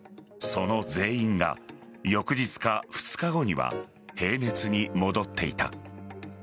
その全員が翌日か２日後には平熱に戻っていた。